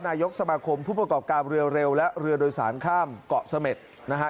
นายกสมาคมผู้ประกอบการเรือเร็วและเรือโดยสารข้ามเกาะเสม็ดนะฮะ